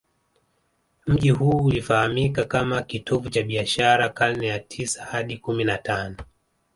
Mji huu ulifahamika kama kitovu cha biashara karne ya tisa hadi kumi na tano